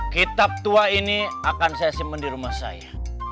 kitab tua ini akan saya simpan di rumah saya